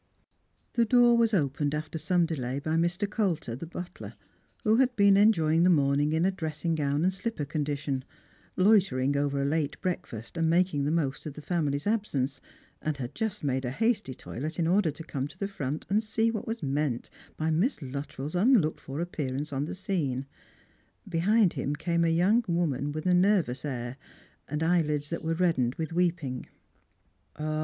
The door was opened after some delay by Mr. Colter, the butler, who had been enjoying the morning in a dressing gown and slipper condition, loitering over a late breakfast and making the most of the family's absence, and had just made a hasty toilet in order to come to the front and see what was meant by Miss Luttrell's unlooked for appearance on the scene. Behind him came a young woman with a nervous air, and eyelids that were reddened with weeping.